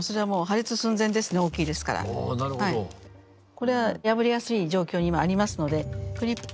これは破れやすい状況に今ありますのでクリップを。